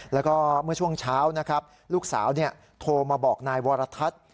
แล้วก็เมื่อช่วงเช้านะครับลูกสาวโทรมาบอกนายวรทัศน์